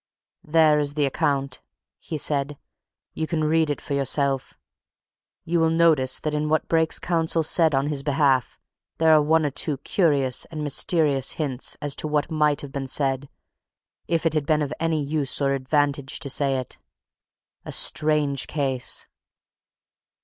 "There is the account," he said. "You can read it for yourself. You will notice that in what Brake's counsel said on his behalf there are one or two curious and mysterious hints as to what might have been said if it had been of any use or advantage to say it. A strange case!"